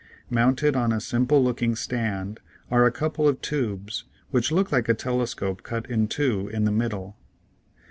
Mounted on a simple looking stand are a couple of tubes which look like a telescope cut in two in the middle.